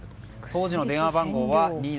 当時の電話番号は２７８。